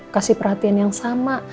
kasih perhatian yang sama